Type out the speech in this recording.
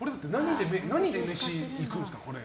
何で飯いくんですか？